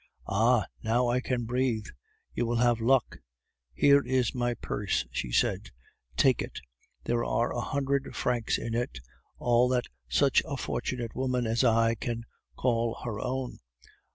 "Ah! now I can breathe. You will have luck. Here is my purse," she said. "Take it! there are a hundred francs in it, all that such a fortunate woman as I can call her own.